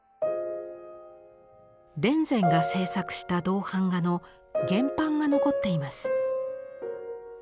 田善が制作した銅版画の原版が残っています。